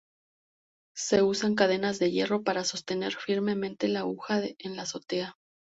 Se usan cadenas de hierro para sostener firmemente la aguja en la azotea.